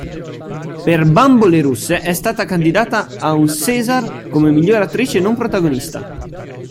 Per "Bambole russe" è stata candidata a un César come miglior attrice non protagonista.